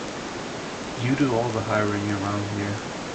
You do all the hiring around here.